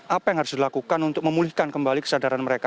apa yang harus dilakukan untuk memulihkan kembali kesadaran mereka